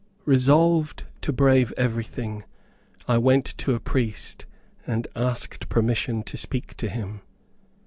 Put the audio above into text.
Resolved to brave everything, I went to a priest and asked permission to speak to him.